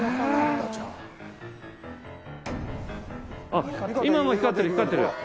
あっ今も光ってる光ってる。